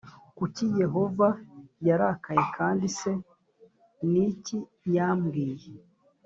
Kuki Yehova yarakaye kandi se ni iki yabwiy